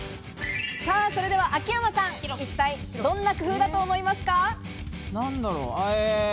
それでは秋山さん、一体どんな工夫だと思いますか？